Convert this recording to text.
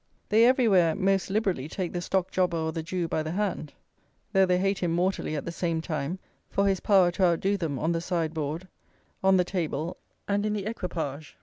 They everywhere "most liberally" take the Stock jobber or the Jew by the hand, though they hate him mortally at the same time for his power to outdo them on the sideboard, on the table, and in the equipage.